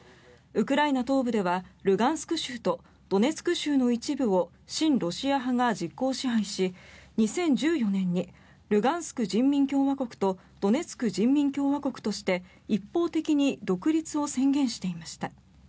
ウクライナ東部ではルガンスク州とドネツク州の一部を親ロシア派が実効支配し２０１４年にルガンスク人民共和国とドネツク人民共和国として一方的に独立を宣言していました。